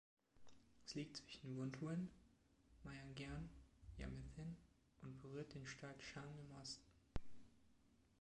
Es liegt zwischen Wundwin, Myingyan, Yamethin und berührt den Staat Shan im Osten.